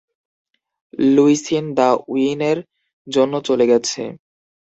লুইসিন the উইনের জন্য চলে গেছে!